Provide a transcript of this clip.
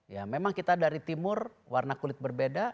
ya memang kita dari timur warna kulit berbeda